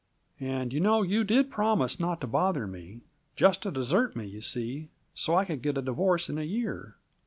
"And you know you did promise not to bother me just to desert me, you see, so I could get a divorce in a year.